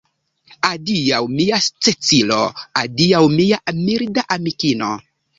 Adiaŭ, mia Cecilo, adiaŭ mia milda amikino.